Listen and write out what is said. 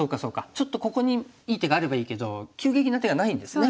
ちょっとここにいい手があればいいけど急激な手がないんですね。